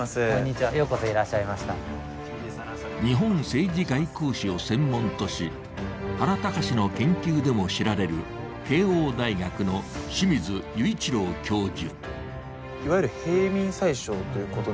日本政治外交史を専門とし、原敬の研究でも知られる慶応大学の清水唯一朗教授。